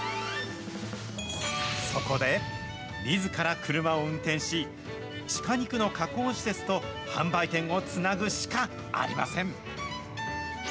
そこで、みずから車を運転し、シカ肉の加工施設と販売店をつなぐシカありません。